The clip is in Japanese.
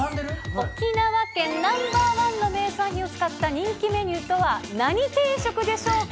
沖縄県ナンバー１の名産品を使った人気メニューとは何定食でしょうか。